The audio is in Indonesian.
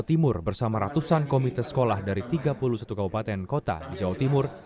jawa timur bersama ratusan komite sekolah dari tiga puluh satu kabupaten kota di jawa timur